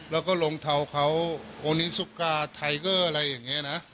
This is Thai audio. แล้วก็ลงเทาเขาโอนินซุกาไทเกอร์อะไรอย่างนี้นะ